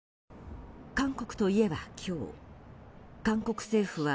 韓国といえば今日、韓国政府は